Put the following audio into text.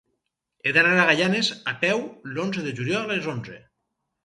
He d'anar a Gaianes a peu l'onze de juliol a les onze.